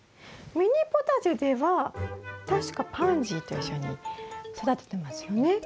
ミニポタジェでは確かパンジーと一緒に育ててますよね。